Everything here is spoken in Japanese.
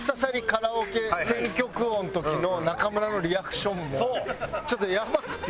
カラオケ選曲王の時の中村のリアクションもちょっとやばくて。